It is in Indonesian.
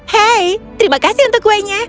hei terima kasih untuk kuenya